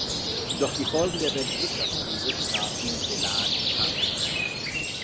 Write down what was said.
Doch die Folgen der Weltwirtschaftskrise trafen Delage hart.